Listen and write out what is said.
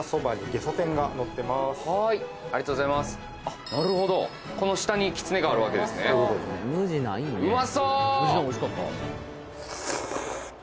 はいありがとうございますあっなるほどこの下にきつねがあるわけですねうまそう！